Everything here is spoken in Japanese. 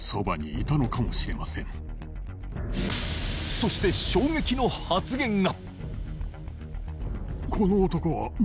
そして衝撃の発言が！